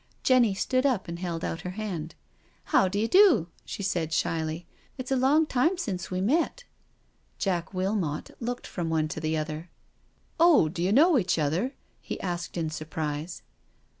Jenny stood up and held out her hand. " How do you do," she said shyly. " It's a long time since we met." Jack Wilmot looked from one to the other. "Oh, do you know each other?" he asked in sur prise.